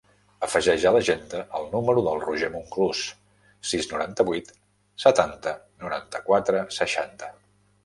Afegeix a l'agenda el número del Roger Monclus: sis, noranta-vuit, setanta, noranta-quatre, seixanta.